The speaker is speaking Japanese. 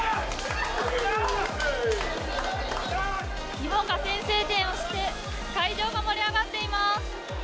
日本が先制をして会場も盛り上がっています。